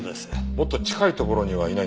もっと近い所にはいないんですか？